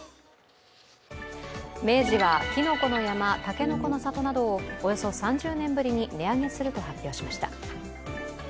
明治はきのこの山、たけのこの里などをおよそ３０年ぶりに値上げすると発表しました。